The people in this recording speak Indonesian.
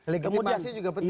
legitimasi juga penting